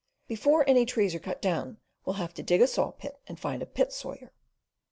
"Before any trees are cut down, we'll have to dig a saw pit and find a pit sawyer."